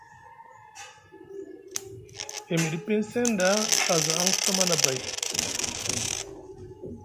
E miɗi piŋ seŋ ɗa a za aŋ sama nʼabay.